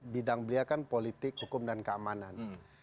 bidang beliau kan politik hukum dan keamanan